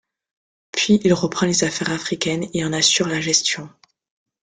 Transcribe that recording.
Puis il reprend les affaires africaines et en assure la gestion.